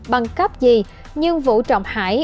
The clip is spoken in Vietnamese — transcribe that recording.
bằng cấp gì nhưng vũ trọng hải